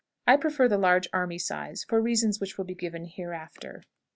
I prefer the large army size, for reasons which will be given hereafter.